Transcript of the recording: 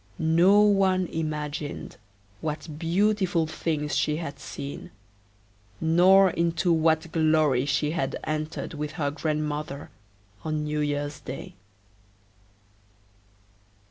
No one imagined what beautiful things she had seen, nor into what glory she had entered with her grandmother, on New year's day.